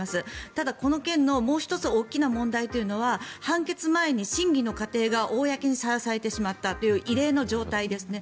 ただ、この件の大きな問題というのは判決前に審議の過程が公にさらされてしまったという異例の状態ですね。